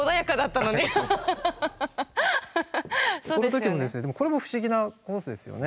この時もですねでもこれも不思議なコースですよね。